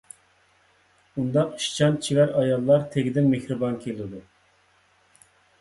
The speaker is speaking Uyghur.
ئۇنداق ئىشچان، چېۋەر ئاياللار تېگىدىن مېھرىبان كېلىدۇ.